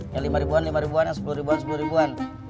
yang lima ribuan lima ribuan yang sepuluh ribuan sepuluh ribuan